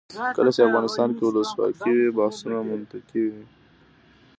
کله چې افغانستان کې ولسواکي وي بحثونه منطقي وي.